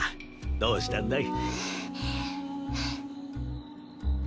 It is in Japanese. どうしたんだい？